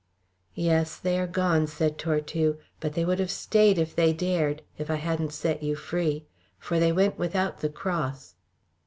"Yes, they are gone," said Tortue, "but they would have stayed if they dared, if I hadn't set you free, for they went without the cross."